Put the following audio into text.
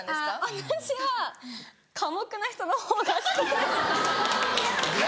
私は寡黙な人の方が好きです。